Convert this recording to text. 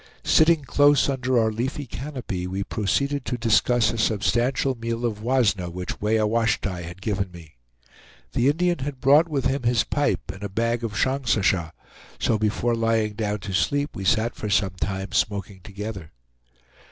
Sitting close under our leafy canopy, we proceeded to discuss a substantial meal of wasna which Weah Washtay had given me. The Indian had brought with him his pipe and a bag of shongsasha; so before lying down to sleep, we sat for some time smoking together.